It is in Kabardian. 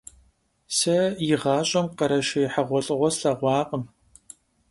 Se yiğaş'em khereşşêy heğuelh'ığue slheğuakhım.